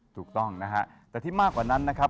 ถูกต้องนะฮะแต่ที่มากกว่านั้นนะครับ